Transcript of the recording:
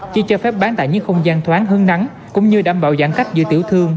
chỉ cho phép bán tại những không gian thoáng hứng nắng cũng như đảm bảo giãn cách giữa tiểu thương